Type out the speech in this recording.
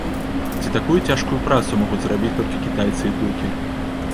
Ці такую цяжкую працу могуць зрабіць толькі кітайцы і туркі?